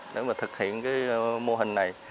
để thực hiện mô hình này